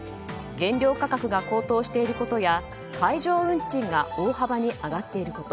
原料価格が高騰していることや海上運賃が大幅に上がっていること